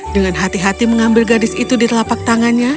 dengan hati hati mengambil gadis itu di telapak tangannya